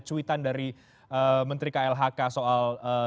cuitan dari menteri klhk soal